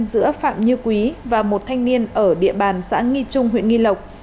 giữa phạm như quý và một thanh niên ở địa bàn xã nghi trung huyện nghi lộc